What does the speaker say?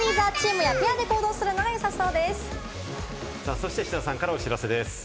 そして志田さんからお知らせです。